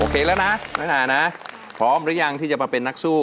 โอเคแล้วนะน้อยหน่านะพร้อมหรือยังที่จะมาเป็นนักสู้